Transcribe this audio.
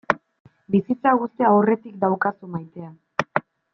Bizitza guztia aurretik daukazu maitea.